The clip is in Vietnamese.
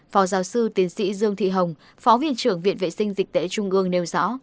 phó giáo sư tiến sĩ dương thị hồng phó viện trưởng viện vệ sinh dịch tễ trung ương nêu rõ